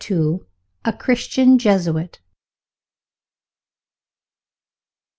A CHRISTIAN JESUIT.